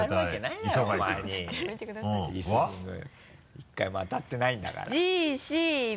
１回も当たってないんだから。